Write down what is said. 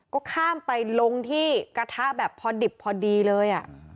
ก็ข้ามไปลงที่กระทะแบบพอดิบพอดีเลย